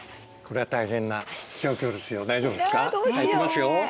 さあいきますよ！